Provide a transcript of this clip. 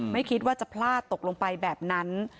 ไม่คิดว่าจะพลาดตกลงไปแบบนั้น